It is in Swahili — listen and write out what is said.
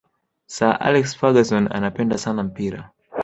sir alex ferguson anapenda sana mpira